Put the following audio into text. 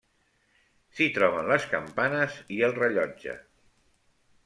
S'hi troben les campanes i el rellotge.